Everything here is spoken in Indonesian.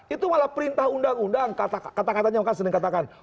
itu malah perintah undang undang kata katanya sering katakan